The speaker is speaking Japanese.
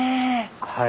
はい。